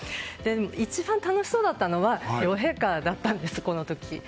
一番楽しそうだったのは両陛下だったんです、この時。